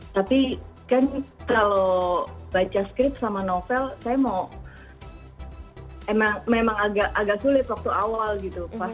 tapi kan kalau baca skript sama novel saya mau memang agak sulit waktu awal gitu